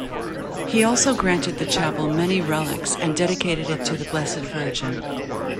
He also granted the chapel many relics and dedicated it to the Blessed Virgin.